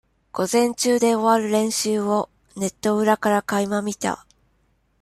午前中で終わる練習を、ネット裏からかい間見た。